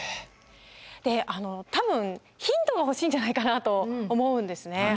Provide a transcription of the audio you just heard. であの多分ヒントが欲しいんじゃないかなと思うんですね。